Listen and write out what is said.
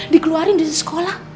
dikeluarin dari sekolah